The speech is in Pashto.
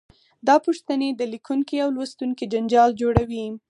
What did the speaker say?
دا پوښتنې د لیکونکي او لوستونکي جنجال جوړوي.